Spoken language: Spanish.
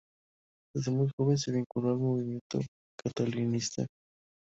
Desde muy joven se vinculó al movimiento catalanista.